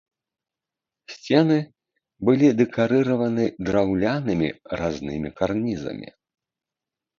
Сцены былі дэкарыраваны драўлянымі разнымі карнізамі.